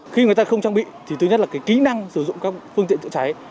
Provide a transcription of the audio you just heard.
khi người ta không trang bị thì thứ nhất là kỹ năng sử dụng các phương tiện chữa cháy